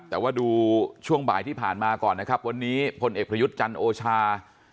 แต่ว่าดูช่วงบ่ายที่ผ่านมาก่อนนะครับวันนี้พลเอกประยุทธ์จันทร์โอชา